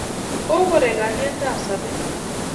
Kokoreg aliyet ab sobet